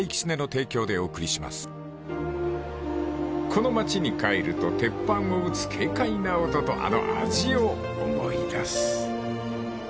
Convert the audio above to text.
［この町に帰ると鉄板を打つ軽快な音とあの味を思い出す］